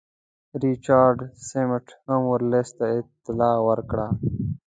ریچارډ سمیت هم ورلسټ ته اطلاع ورکړه.